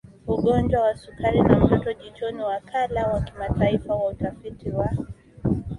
ugonjwa wa sukari na mtoto jichoni Wakala wa Kimataifa wa Utafiti wa